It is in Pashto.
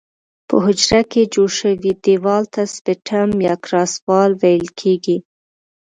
په حجره کې جوړ شوي دیوال ته سپټم یا کراس وال ویل کیږي.